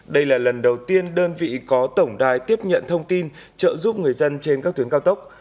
đây là lần đầu tiên đơn vị có tổng đài tiếp nhận thông tin trợ giúp người dân trên các tuyến cao tốc